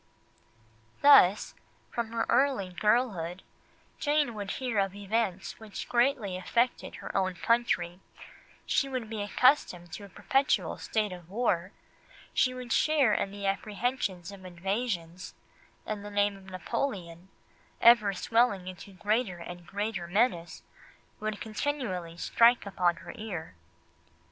Thus, from her early girlhood, Jane would hear of events which greatly affected her own country, she would be accustomed to a perpetual state of war, she would share in the apprehensions of invasions, and the name of Napoleon, ever swelling into greater and greater menace, would continually strike upon her ear.